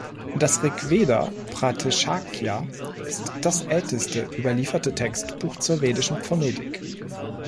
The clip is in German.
Das Rigveda-Pratishakya ist das älteste überlieferte Textbuch zur vedischen Phonetik.